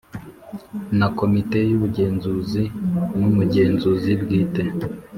Na Komite Y Ubugenzuzi N Umugenzuzi Bwite